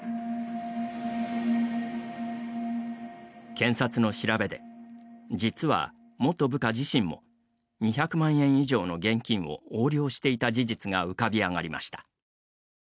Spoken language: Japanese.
検察の調べで、実は元部下自身も２００万円以上の現金を横領していた事実が浮かび上がりました。